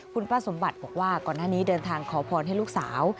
คุณป้าสมบัติบอกว่าก่อนหน้านี้เดินทางขอพรให้ลูกสาว